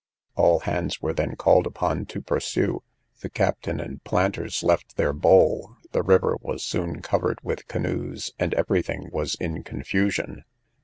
All hands were then called upon to pursue; the captain and planters left their bowl; the river was soon covered with canoes, and every thing was in confusion.